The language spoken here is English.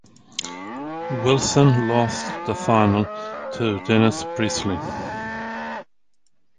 Wilson lost the final to Dennis Priestley.